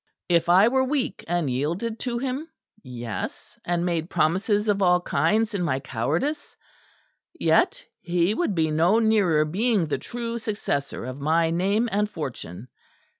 If I were weak and yielded to him, yes, and made promises of all kinds in my cowardice yet he would be no nearer being the true successor of my name and fortune.